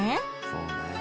そうね